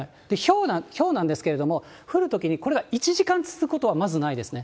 ひょうなんですけれども、降るときにこれが１時間続くことはまずないですね。